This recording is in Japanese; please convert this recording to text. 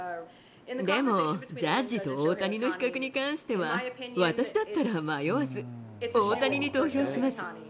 でも、ジャッジと大谷の比較に関しては、私だったら迷わず大谷に投票します。